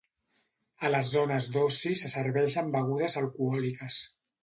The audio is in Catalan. A les zones d'oci se serveixen begudes alcohòliques.